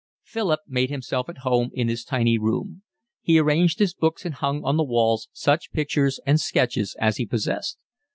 Philip made himself at home in his tiny rooms. He arranged his books and hung on the walls such pictures and sketches as he possessed.